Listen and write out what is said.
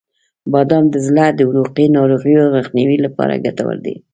• بادام د زړه د عروقی ناروغیو مخنیوي لپاره ګټور دي.